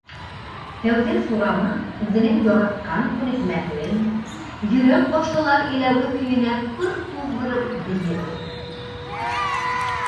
Тәүҙә Сураман, үҙенең яратҡан күнекмәһен, Йорәк башлылар иләүе көйөнә пыр туҙҙырып бейеп алды.